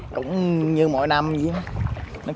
anh quỳnh văn giang xã tam giang tây